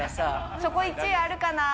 そこ、１位あるかな？